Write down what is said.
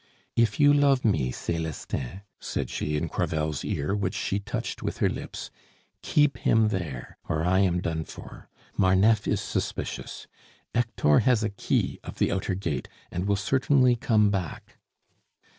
"If you love me, Celestin," said she in Crevel's ear, which she touched with her lips, "keep him there, or I am done for. Marneffe is suspicious. Hector has a key of the outer gate, and will certainly come back."